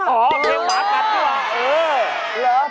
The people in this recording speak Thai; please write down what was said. อ๋อเพลงมหากัดอยู่ก่อน